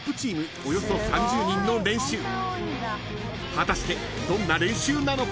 ［果たしてどんな練習なのか？］